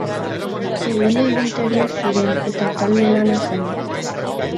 Egile ibiltariak ziren eta talde lana zen.